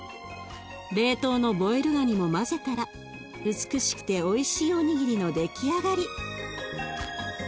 冷凍のボイルがにも混ぜたら美しくておいしいおにぎりの出来上がり。